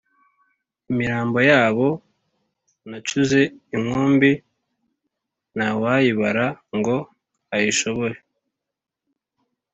Imirambo y'abo nacuze inkumbi ntawayibara ngo ayishobore,